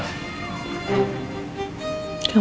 kamu yang kenapa